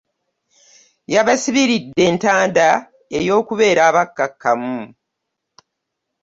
Yabasibiridde entanda ey'okubeera abakkakkamu